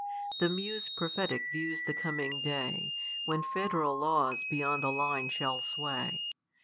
The muse prophetic views the coming day, When federal laws beyond the line shall sway.